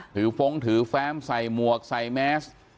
ถือฟ้องถือแฟมใส่หมวกใส่แมส